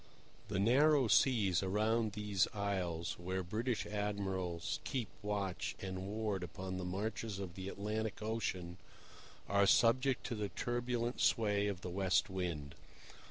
The narrow seas around these isles, where British admirals keep watch and ward upon the marches of the Atlantic Ocean, are subject to the turbulent sway of the West Wind.